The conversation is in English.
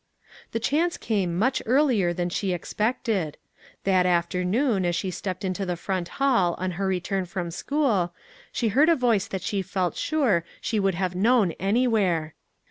The chance came much earlier than she ex pected. That afternoon as she stepped into the front hall on her return from school, she heard a voice that she felt sure she would have known anywhere.